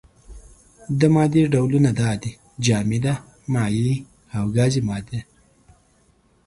د مادې ډولونه دا دي: جامده، مايع او گازي ماده.